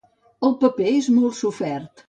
El paper és molt sofert.